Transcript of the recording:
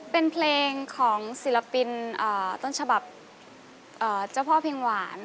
เป็นเพลงของศิลปินต้นฉบับเจ้าพ่อเพลงหวาน